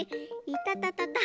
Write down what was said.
いたたたた。